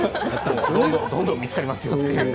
どんどん見つかりますよ。